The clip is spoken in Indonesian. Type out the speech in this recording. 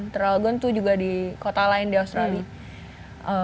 teralagon tuh juga di kota lain di australia